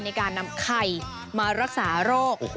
ในการนำไข่มารักษาโรค